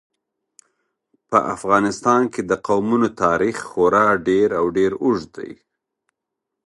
په افغانستان کې د قومونه تاریخ خورا ډېر او ډېر اوږد دی.